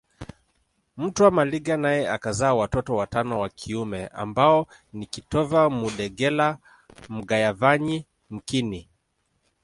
Mtwa Maliga naye akazaa watoto watano wa kiume ambao ni kitova Mudegela Mgayavanyi mkini